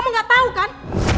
kamu enggak tahu kan